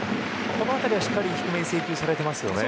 この辺り、しっかり低めに制球されていますね。